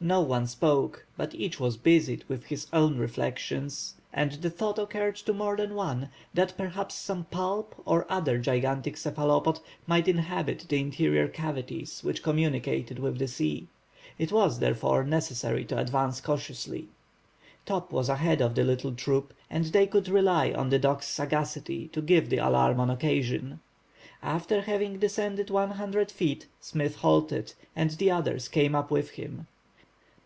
No one spoke, but each was busied with his own reflections and the thought occurred to more than one, that perhaps some pulp or other gigantic cephalopod might inhabit the interior cavities which communicated with the sea. It was, therefore, necessary to advance cautiously. Top was ahead of the little troop and they could rely on the dog's sagacity to give the alarm on occasion. After having descended 100 feet, Smith halted, and the others came up with him.